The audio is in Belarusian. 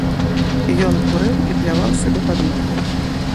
Ён курыў і пляваў сабе пад ногі.